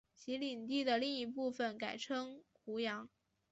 其领地的另一部分改称湖阳。